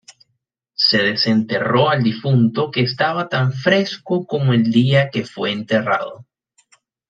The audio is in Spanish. Se desenterró al difunto que estaba tan fresco como el día que fue enterrado.